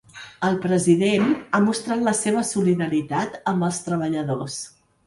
El president ha mostrat la seva solidaritat amb els treballadors.